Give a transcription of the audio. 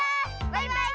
バイバイ！